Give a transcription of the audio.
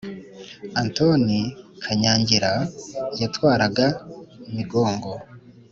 Antoni Kanyangira yatwaraga Migongo.